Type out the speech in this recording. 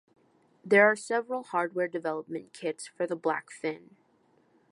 There are several hardware development kits for the Blackfin.